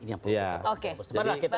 ini yang perlu diperhatikan